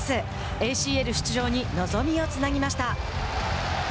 ＡＣＬ出場に望みをつなぎました。